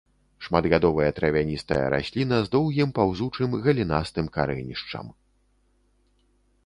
Шматгадовая травяністая расліна з доўгім паўзучым галінастым карэнішчам.